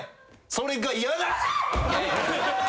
それが嫌。